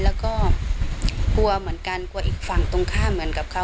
แล้วก็กลัวเหมือนกันกลัวอีกฝั่งตรงข้ามเหมือนกับเขา